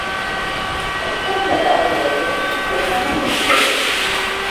பத்தொன்பதாவது வயதில் திருமணம் முடிந்தது.